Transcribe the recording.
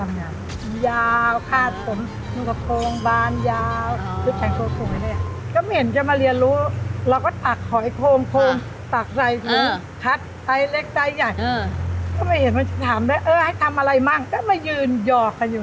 ไม่เห็นเขามาเรียวรู้เราก็ตากหอยโค้งตักใส่ไข